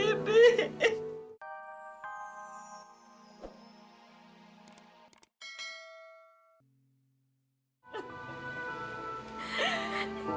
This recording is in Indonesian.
jadi bapak dewi masih hidup